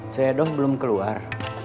saya dong belum keluar